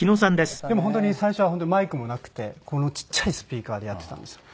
でも本当に最初はマイクもなくてちっちゃいスピーカーでやっていたんですよ。